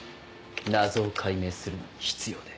謎を解明するのに必要で。